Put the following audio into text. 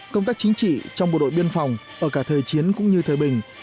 công tác chính trị trong bộ đội biên phòng ở cả thời chiến cũng như thời bình